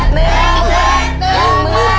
หนึ่งหมื่น